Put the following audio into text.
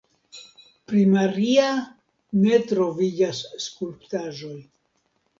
Pri Maria ne troviĝas skulptaĵoj.